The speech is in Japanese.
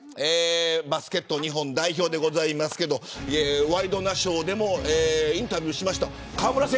バスケット日本代表ですけどワイドナショーでもインタビューしました。